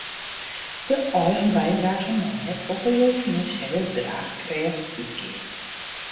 De eigen bydrage mei net boppe jo finansjele draachkrêft útgean.